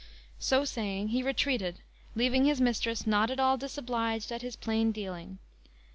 So saying, he retreated, leaving his mistress not at all disobliged at his plain dealing.